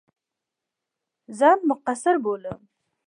ځان مقصِر بولم.